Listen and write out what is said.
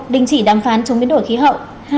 đình chỉ đàm phán chống biến đổi khí hậu